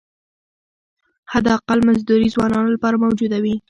حداقل مزدوري ځوانانو لپاره موجوده وي.